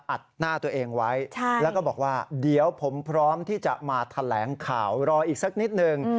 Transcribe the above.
อัดหน้าตัวเองไว้แล้วก็บอกว่าเดี๋ยวผมพร้อมที่จะมาแถลงข่าวรออีกสักนิดนึง